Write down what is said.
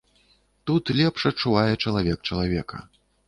Тут лепш адчувае чалавек чалавека.